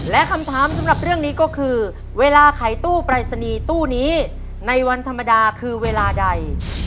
และคำถามสำหรับเรื่องนี้ก็คือเวลาขายตู้ปรายศนีย์ตู้นี้ในวันธรรมดาคือเวลาใด